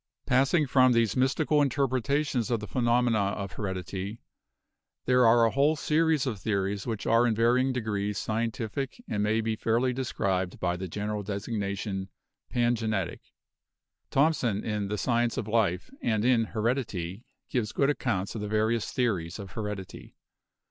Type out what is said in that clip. Passing from these mystical interpretations of the phe nomena of heredity, there are a whole series of theories which are in varying degrees scientific and may be fairly described by the general designation pangenetic. Thom son in 'The Science of Life' and in 'Heredity' gives good accounts of the various theories of heredity.